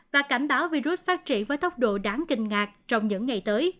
và cảnh báo virus phát triển với tốc độ đáng kinh ngạc trong những ngày tới